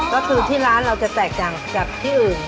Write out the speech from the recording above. ก็คือที่ร้านเราจะแตกต่างจากที่อื่น